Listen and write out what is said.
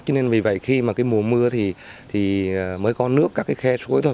cho nên vì vậy khi mà cái mùa mưa thì mới có nước các cái khe suối thôi